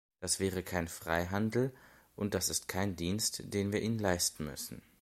Das wäre kein Freihandel und, das ist kein Dienst, den wir ihnen leisten müssen.